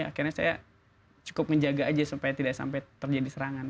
akhirnya saya cukup menjaga aja sampai tidak terjadi serangan